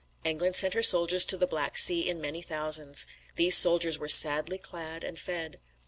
England sent her soldiers to the Black Sea in many thousands. These soldiers were sadly clad and fed.